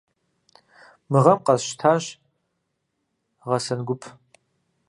Мы гъэм къэсщтащ гъэсэн гуп.